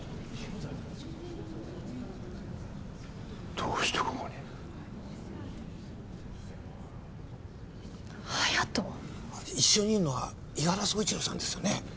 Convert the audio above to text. どうしてここに隼人一緒にいるのは伊原総一郎さんですよね？